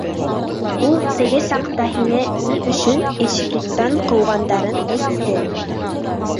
Ул теге саҡта һине ни өсөн институттан ҡыуғандарын әйтте.